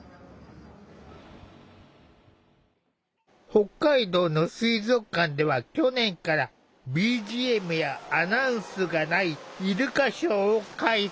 北海道の水族館では去年からＢＧＭやアナウンスがないイルカショーを開催。